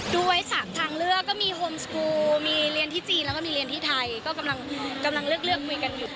ด้วยสามทางเลือกก็มีโฮมสกูลมีเรียนที่จีนแล้วก็มีเรียนที่ไทยก็กำลังเลือกคุยกันอยู่